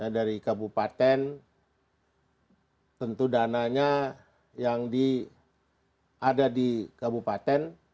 dari kabupaten tentu dananya yang ada di kabupaten atau di kota